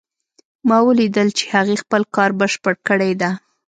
ما ولیدل چې هغې خپل کار بشپړ کړی ده